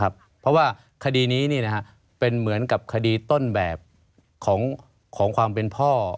เพราะว่าคดีนี้เป็นเหมือนกับคดีต้นแบบของความเป็นพ่อ